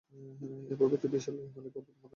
এই পর্বতটি বিশাল হিমালয় পর্বতমালার অংশ বিশেষ।